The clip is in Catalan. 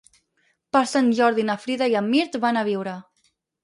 Per Sant Jordi na Frida i en Mirt van a Biure.